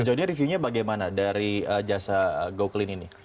sejauh ini reviewnya bagaimana dari jasa go clean ini